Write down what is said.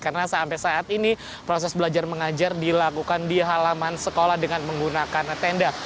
karena sampai saat ini proses belajar mengajar dilakukan di halaman sekolah dengan menggunakan tenda